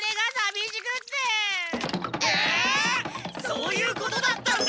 そういうことだったん。